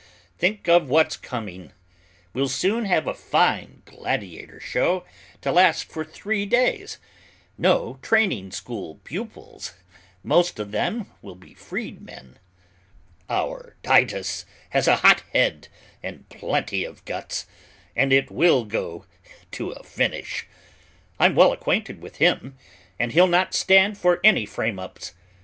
Think of what's coming! We'll soon have a fine gladiator show to last for three days, no training school pupils; most of them will be freedmen. Our Titus has a hot head and plenty of guts and it will go to a finish. I'm well acquainted with him, and he'll not stand for any frame ups.